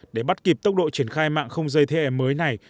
để bắt kịp tốc độ triển khai mạng không dây thế hệ mới này